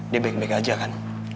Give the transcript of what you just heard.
dia baik baik aja kan